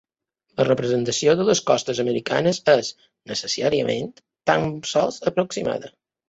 La representació de les costes americanes és, necessàriament, tan sols aproximada.